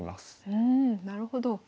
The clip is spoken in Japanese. うんなるほど。